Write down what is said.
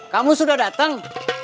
kamu sudah datang